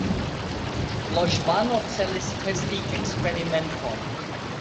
Loĵbano celis testi eksperimenton